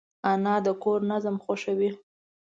انا د کور نظم خوښوي